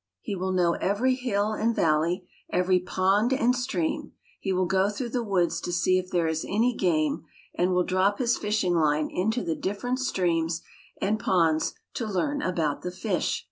He will know every hill and valley, every pond and stream. He will go through the woods to see if there is any game, and will drop his fishing line into the different streams and ponds to learn about the fish.